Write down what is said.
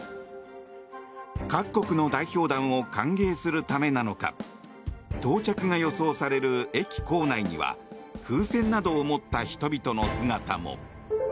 各国の代表団を歓迎するためなのか到着が予想される駅構内には風船などを持った人々の姿も。